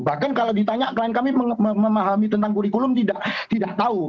bahkan kalau ditanya klien kami memahami tentang kurikulum tidak tahu